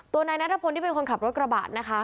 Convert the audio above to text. นายนัทพลที่เป็นคนขับรถกระบะนะคะ